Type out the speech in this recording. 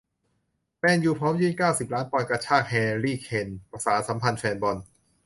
แมนยู พร้อมยื่น เก้าสิบ ล้านปอนด์ กระชาก แฮร์รี่ เคน สานสัมพันธ์แฟนบอล